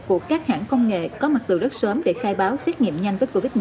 của các hãng công nghệ có mặt từ rất sớm để khai báo xét nghiệm nhanh với covid một mươi